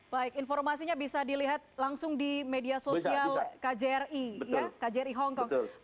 baik informasinya bisa dilihat langsung di media sosial kjri kjri hongkong